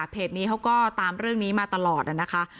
นี้เขาก็ตามเรื่องนี้มาตลอดนะคะ